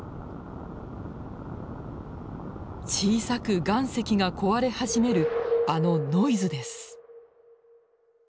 小さく岩石が壊れ始めるあのノイズです。